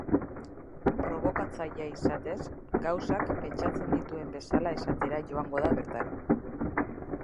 Probokatzailea izatez, gauzak pentsatzen dituen bezala esatera joango da bertara.